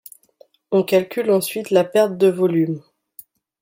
On calcule ensuite la perte de volume.